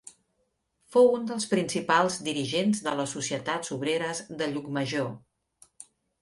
Fou un dels principals dirigents de les societats obreres de Llucmajor.